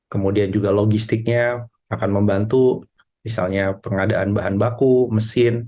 kemudian juga logistiknya akan membantu misalnya pengadaan bahan baku mesin